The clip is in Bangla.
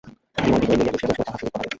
বিমল হৃদয় লইয়া বসিয়া বসিয়া তাহার সহিত কথা কয়।